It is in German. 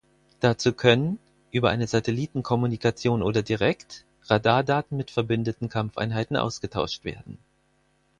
Dazu können, über eine Satellitenkommunikation oder direkt, Radardaten mit verbündeten Kampfeinheiten ausgetauscht werden.